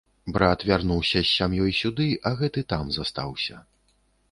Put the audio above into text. Брат вярнуўся з сям'ёй сюды, а гэты там застаўся.